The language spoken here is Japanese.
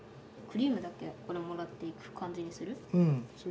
クリームだこれもらっていく感じにする？